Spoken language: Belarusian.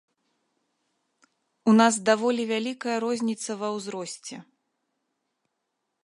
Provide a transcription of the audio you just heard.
У нас даволі вялікая розніца ва ўзросце.